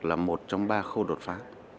là một trong ba khâu đột phá